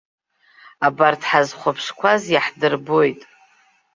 Абарҭ ҳазхәаԥшқәаз иахдырбоит.